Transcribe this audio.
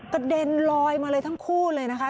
เด็นลอยมาเลยทั้งคู่เลยนะคะ